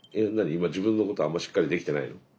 今自分のことあんまりしっかりできてないの？